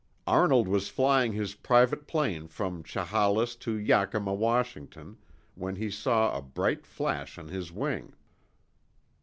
Arnold was flying his private plane from Chehalis to Yakima, Washington, when he saw a bright flash on his wing.